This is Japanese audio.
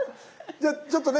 じゃあちょっとね